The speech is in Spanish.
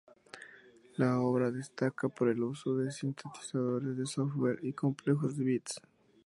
La obra destaca por el uso de sintetizadores de software y complejos beats.